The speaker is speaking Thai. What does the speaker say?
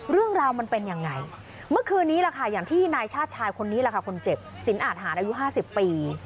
เรื่องราวมันเป็นยังไงเมื่อคืนนี้แหละค่ะอย่างที่นายชาติชายคนนี้แหละค่ะคนเจ็บสินอาทหารอายุ๕๐ปี